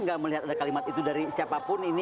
nggak melihat ada kalimat itu dari siapapun ini